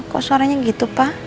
kok suaranya gitu pa